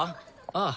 ああ。